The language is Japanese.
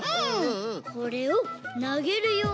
これをなげるよ。